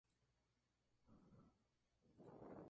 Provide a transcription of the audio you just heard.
Fue integrante del grupo Favourite Band.